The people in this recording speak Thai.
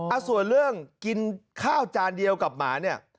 อ่ะส่วนเรื่องกินข้าวจานเดียวกับหมาเนี่ย